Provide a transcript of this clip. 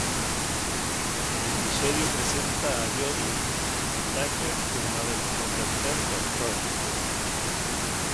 El episodio presenta a Jodie Whittaker como la Decimotercer Doctor.